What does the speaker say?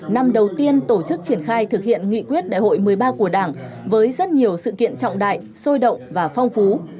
năm đầu tiên tổ chức triển khai thực hiện nghị quyết đại hội một mươi ba của đảng với rất nhiều sự kiện trọng đại sôi động và phong phú